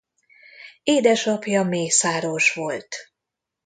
Édesapja mészáros volt.